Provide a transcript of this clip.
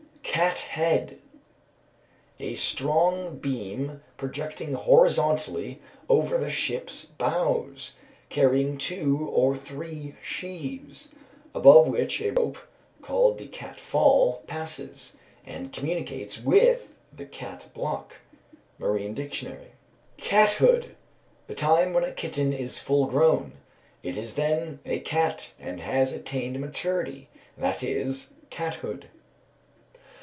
Cat head. "A strong beam, projecting horizontally over the ship's bows, carrying two or three sheaves, above which a rope, called the cat fall, passes, and communicates with the cat block." Marine Dictionary. Cathood. The time when a kitten is full grown, it is then a cat and has attained maturity, that is, cathood.